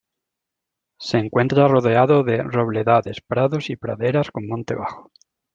Se encuentra rodeado de robledales, prados y praderas con monte bajo.